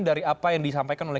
dari apa yang disampaikan oleh